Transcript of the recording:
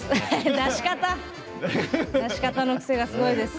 出し方のくせがすごいです。